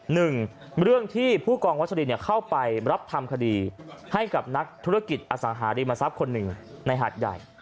หนึ่งเรื่องที่ผู้กองวัชลินเข้าไปรับทำคดีให้กับนักธุรกิจอสังหาริมทรัพย์คนหนึ่งในหาดใหญ่